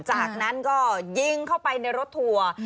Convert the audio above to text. จากนั้นก็ยิงเข้าไปในรถทัวร์